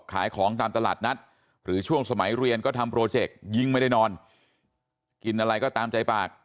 ขายของตามตลาดนัดหรือช่วงสมัยเรียนก็ทำโปรเจกต์ยิ่งไม่ได้นอนกินอะไรก็ตามใจปาก